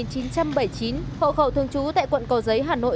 hộ khẩu thường trú tại quận cầu giấy hà nội